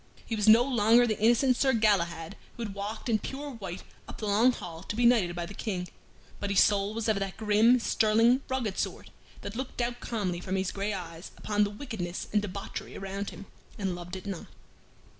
He was no longer the innocent Sir Galahad who had walked in pure white up the Long Hall to be knighted by the King, but his soul was of that grim, sterling, rugged sort that looked out calmly from his gray eyes upon the wickedness and debauchery around him, and loved it not.